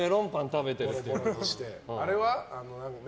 あれは？